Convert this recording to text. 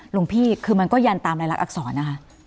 ลุงพี่คือมันก็ยันตามลายหลักอักษรนะครับ